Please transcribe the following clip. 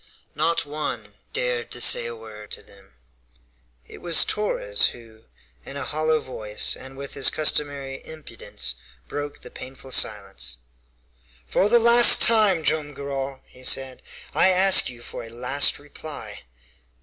Not one dared to say a word to them. It was Torres who, in a hollow voice, and with his customary impudence, broke the painful silence. "For the last time, Joam Garral," he said, "I ask you for a last reply!"